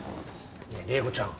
ねえ麗子ちゃん